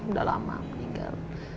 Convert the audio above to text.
sudah lama meninggal